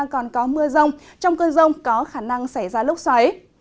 còn có mưa rông trong cơn rông có khả năng xảy ra lốc xoáy